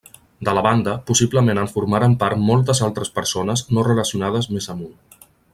De la banda, possiblement en formaren part moltes altres persones no relacionades més amunt.